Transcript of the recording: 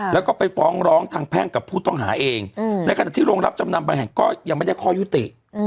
แล้วก็ไปฟ้องร้องทางแพ่งกับผู้ต้องหาเองในขณะที่โรงรับจำนำบางแห่งก็ยังไม่ได้ข้อยุติ